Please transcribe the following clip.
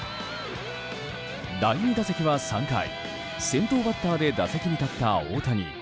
第２打席は３回、先頭バッターで打席に立った大谷。